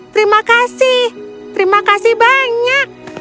terima kasih terima kasih banyak